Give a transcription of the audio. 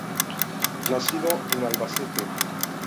Nacido en Albacete.